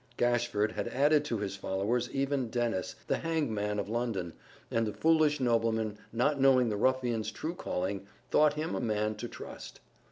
Gashford had added to his followers even Dennis, the hangman of London, and the foolish nobleman not knowing the ruffian's true calling, thought him a man to trust.